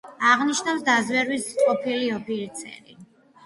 აღნიშნავს დაზვერვის ყოფილი ოფიცერი.